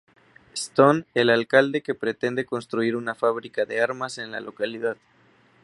Stone, el alcalde que pretende construir una fábrica de armas en la localidad.